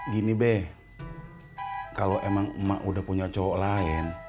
gini beh kalau emang emak udah punya cowok lain